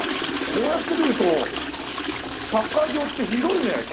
こうやって見るとサッカー場って広いね。